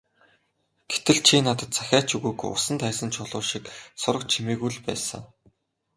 Гэтэл чи надад захиа ч өгөөгүй, усанд хаясан чулуу шиг сураг чимээгүй л байсан.